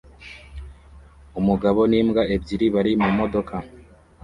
Umugabo n'imbwa ebyiri bari mumodoka